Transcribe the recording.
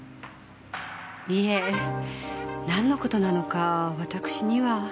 いいえなんの事なのかわたくしには。